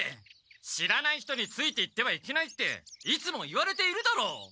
知らない人についていってはいけないっていつも言われているだろ！